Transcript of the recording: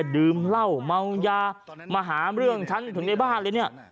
ดื่มเหล้าเมายามาหาเรื่องฉันถึงในบ้านเลยเนี่ย